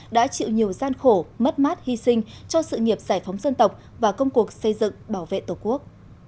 đã chịu nhiều gian khổ mất mát hy sinh cho sự nghiệp giải phóng dân tộc và công cuộc xây dựng bảo vệ tổ quốc